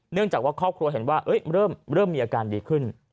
เนื่องจากว่าครอบครัวเห็นว่าเอ๊ะเริ่มเริ่มมีอาการดีขึ้น